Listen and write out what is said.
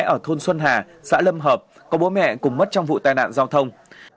ở thôn xuân hà xã lâm hợp có bố mẹ cùng mất trong vụ tai nạn giao thông